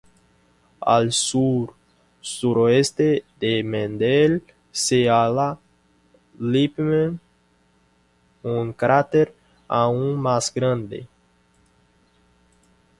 Al sur-suroeste de Mendel se halla Lippmann, un cráter aún más grande.